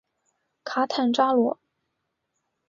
卡坦扎罗。